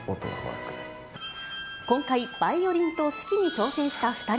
今回、バイオリンと指揮に挑戦した２人。